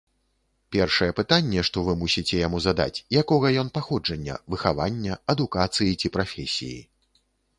Першае пытанне, што вы мусіце яму задаць, якога ён паходжання, выхавання, адукацыі ці прафесіі.